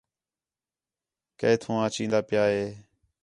کیتھوں آ چیندا پِیا ہِے